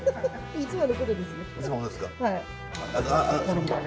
いつものことですか。